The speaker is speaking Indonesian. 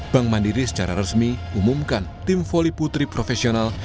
bank mandiri secara resmi umumkan tim voli putri profesional